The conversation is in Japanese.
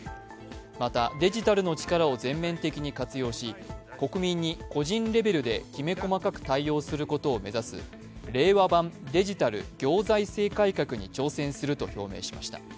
また、デジタルの力を全面的に活用し、国民の個人レベルできめ細かく対応することを目指す令和版デジタル行財政改革に挑戦すると表明しました。